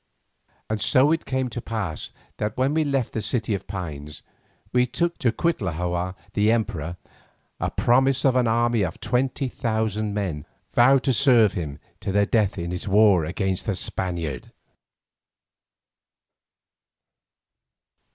And so it came to pass that when we left the City of Pines we took from it to Cuitlahua the emperor, a promise of an army of twenty thousand men vowed to serve him to the death in his war against the Spaniard.